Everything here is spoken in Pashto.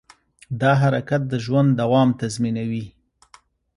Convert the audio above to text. دا حرکت د ژوند دوام تضمینوي.